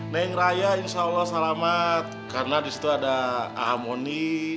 neing raya insya allah selamat karena di situ ada ahamoni